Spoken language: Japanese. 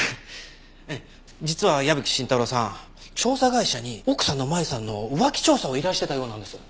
ええ実は矢吹伸太郎さん調査会社に奥さんの真由さんの浮気調査を依頼してたようなんです。